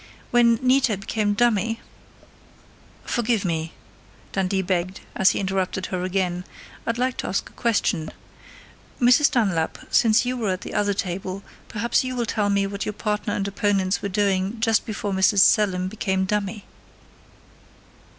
When Nita became dummy " "Forgive me," Dundee begged, as he interrupted her again. "I'd like to ask a question ... Mrs. Dunlap, since you were at the other table, perhaps you will tell me what your partner and opponents were doing just before Mrs. Selim became dummy."